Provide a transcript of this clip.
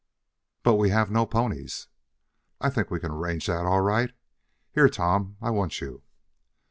"But, we have no ponies." "I think we can arrange that all right. Here, Tom, I want you."